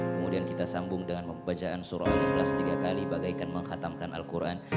kemudian kita sambung dengan membacaan surah al ikhlas tiga kali bagaikan menghatamkan al quran